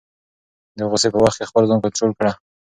د غصې په وخت کې خپل ځان کنټرول کړه.